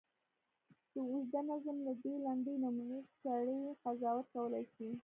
د اوږده نظم له دې لنډې نمونې سړی قضاوت کولای شي.